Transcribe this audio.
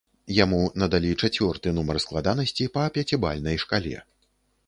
Яму надалі чацвёрты нумар складанасці па пяцібальнай шкале.